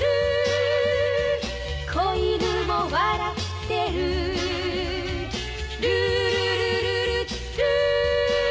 「小犬も笑ってる」「ルールルルルルー」